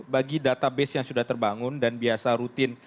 bagi database yang sudah terbangun dan biasa rutin